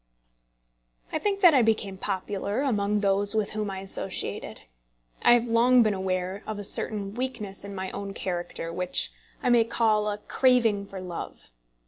I think that I became popular among those with whom I associated. I have long been aware of a certain weakness in my own character, which I may call a craving for love.